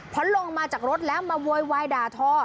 พอลงมาจากรถแล้วมาโวยวายด่าทอ